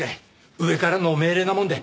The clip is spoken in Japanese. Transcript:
上からの命令なもんで。